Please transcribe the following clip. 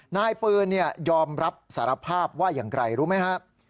นายปืนยอมรับสารภาพว่าอย่างไรรู้ไหมครับ